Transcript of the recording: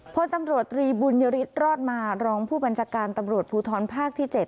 พลตำรวจตรีบุญยฤทธิรอดมารองผู้บัญชาการตำรวจภูทรภาคที่๗